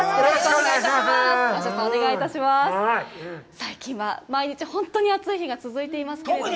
最近は、毎日、本当に暑い日が続いてますけども。